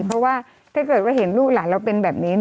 เพราะว่าถ้าเกิดว่าเห็นลูกหลานเราเป็นแบบนี้